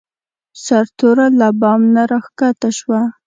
سرتوره له بام نه راکښته شوه.